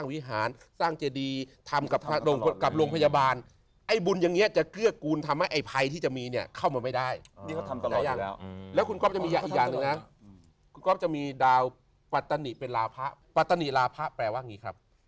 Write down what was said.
เป็นลาพ่าปัตฎีลาพ่าแปลว่าอย่างนี้ครับ